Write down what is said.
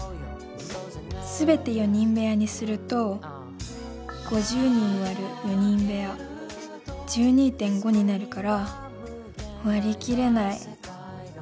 すべて４人部屋にすると５０人割る４人部屋１２．５になるから割り切れない。